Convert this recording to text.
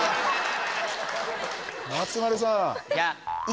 松丸さん。